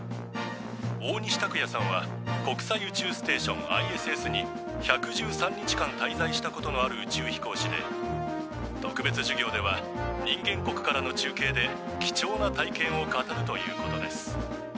大西卓哉さんは国際宇宙ステーションＩＳＳに１１３日間たいざいしたことのある宇宙飛行士で特別授業では人間国からのちゅうけいで貴重な体験を語るということです。